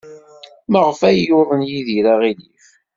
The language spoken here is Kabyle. Maɣef ay yuḍen Yidir aɣilif?